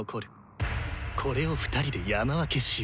これを２人で山分けしよう。